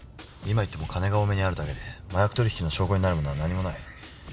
今行っても金が多めにあるだけで麻薬取引の証拠になるものは何もない。